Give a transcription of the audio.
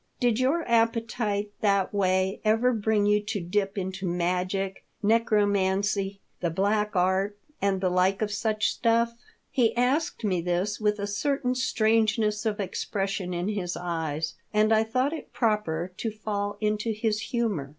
Did your appetite that way ever bring you to dip into magic, necromancy, the Black Art, and the like of such stuff ?" He asked me this with a certain strange ness of expression in his eyes, and I thought it proper to fall into his humour.